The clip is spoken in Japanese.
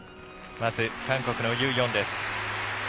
まず韓国のユ・ヨンです。